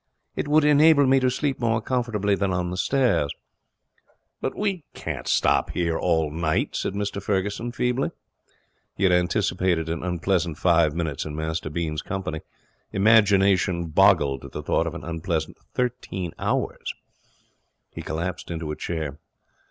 'It would enable me to sleep more comfortably than on the stairs.' 'But we can't stop here all night,' said Mr Ferguson, feebly. He had anticipated an unpleasant five minutes in Master Bean's company. Imagination boggled at the thought of an unpleasant thirteen hours. He collapsed into a chair.